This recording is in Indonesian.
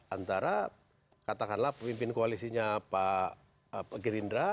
antara katakanlah pemimpin koalisinya pak gerindra